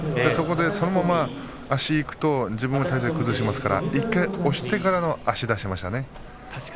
そのまま足にいくと自分の体勢を崩しますから１回押してから足を出しましたね。